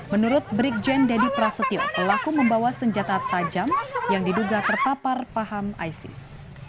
menurut brigjen deddy prasetyo pelaku membawa senjata tajam yang diduga terpapar paham isis